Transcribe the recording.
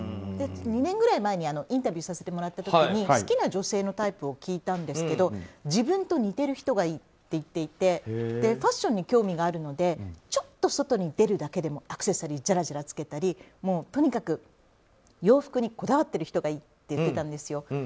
２年くらい前にインタビューさせてもらった時に好きな女性のタイプを聞いたんですけど自分と似てる人がいいと言っていてファッションに興味があるのでちょっと外に出るだけでもアクセサリーをじゃらじゃら着けたりとにかく洋服にこだわっている人がいいと言っていたんですよ。